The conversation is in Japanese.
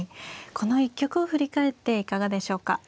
この一局を振り返っていかがでしょうか。